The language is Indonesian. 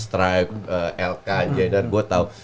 stripe lk jaydar aku tahu